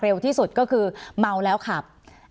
ที่สุดก็คือเมาแล้วขับ